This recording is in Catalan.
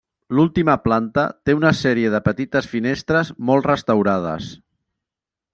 L'última planta té una sèrie de petites finestres molt restaurades.